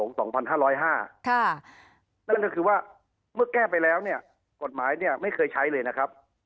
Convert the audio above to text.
นั่นก็คือว่าเมื่อแก้ไปแล้วเนี่ยกฎหมายเนี่ยไม่เคยใช้เลยนะครับ